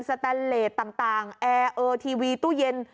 แตนเลสต่างแอร์เออทีวีตู้เย็น